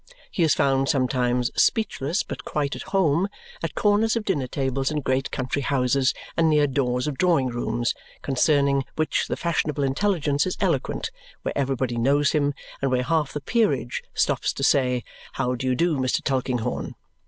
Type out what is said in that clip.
He is found sometimes, speechless but quite at home, at corners of dinner tables in great country houses and near doors of drawing rooms, concerning which the fashionable intelligence is eloquent, where everybody knows him and where half the Peerage stops to say "How do you do, Mr. Tulkinghorn?"